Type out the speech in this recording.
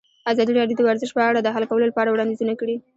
ازادي راډیو د ورزش په اړه د حل کولو لپاره وړاندیزونه کړي.